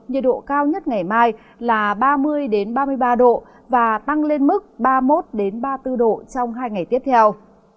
nhiệt độ cao nhất ngày mai là ba mươi ba mươi ba độ và tăng lên mức ba mươi một ba mươi bốn độ trong hai ngày tiếp theo